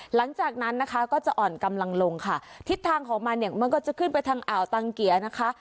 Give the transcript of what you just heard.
หลังจากนั้นนะคะก็จะอ่อนกำลังลงค่ะทิศทางของมันเนี่ยมันก็จะขึ้นไปทางอ่าวตังเกียร์นะคะ